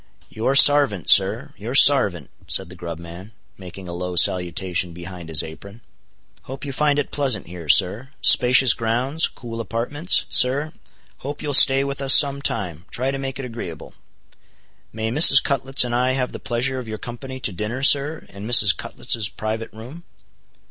"Your sarvant, sir, your sarvant," said the grub man, making a low salutation behind his apron. "Hope you find it pleasant here, sir;—spacious grounds—cool apartments, sir—hope you'll stay with us some time—try to make it agreeable. May Mrs. Cutlets and I have the pleasure of your company to dinner, sir, in Mrs. Cutlets' private room?"